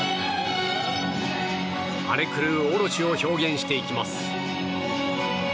荒れ狂う大蛇を表現していきます。